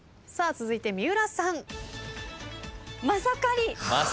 続いて三浦さん。